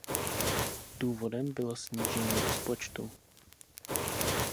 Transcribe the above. Důvodem bylo snížení rozpočtu.